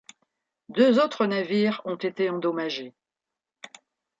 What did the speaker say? Deux autres navires ont été endommagés.